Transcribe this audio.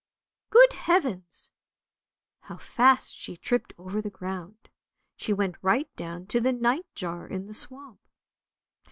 Good heavens! how fast she tripped over the ground; she went right down to the night jar in the swamp.